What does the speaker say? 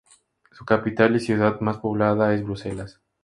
Su capital y ciudad más poblada es Bruselas.